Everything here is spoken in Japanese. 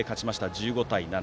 １５対７。